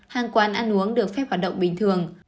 hàng quán ăn uống được phép hoạt động bình thường